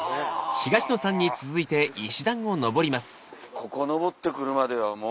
ここ上って来るまではもう。